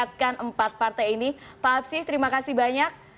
terima kasih banyak